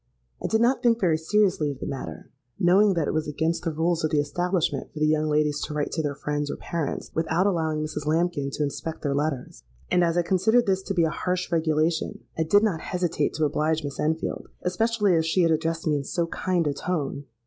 —I did not think very seriously of the matter, knowing that it was against the rules of the establishment for the young ladies to write to their friends or parents without allowing Mrs. Lambkin to inspect their letters; and as I considered this to be a harsh regulation, I did not hesitate to oblige Miss Enfield—especially as she had addressed me in so kind a tone.